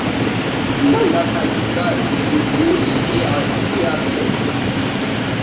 Lalla Malika Issoufou est née à Niamey.